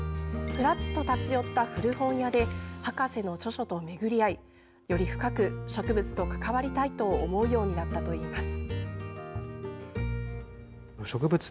ふらっと立ち寄った古本屋で博士の著書と巡り合いより深く植物と関わりたいと思うようになったといいます。